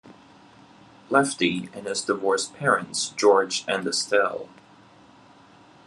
Lefty, and his divorced parents George and Estelle.